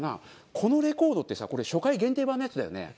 このレコードってさこれ初回限定版のやつだよね？